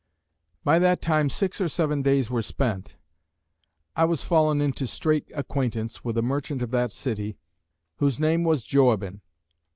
By that time six or seven days were spent, I was fallen into straight acquaintance with a merchant of that city, whose name was Joabin.